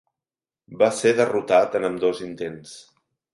Va ser derrotat en ambdós intents.